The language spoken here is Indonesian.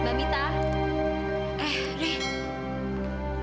terima kasih gis